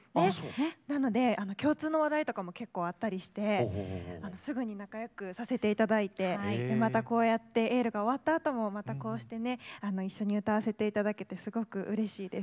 なので共通の話題とかも結構あったりしてすぐに仲良くさせていただいてでまたこうやって「エール」が終わったあともまたこうしてね一緒に歌わせていただけてすごくうれしいです。